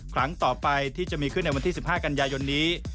ครั้งต่อไปที่จะมีขึ้นในวันที่๑๕กันยายนนี้